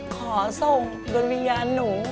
ขอส่งดวงวิญญาณหนู